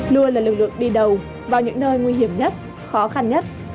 luôn là lực lượng đi đầu vào những nơi nguy hiểm nhất khó khăn nhất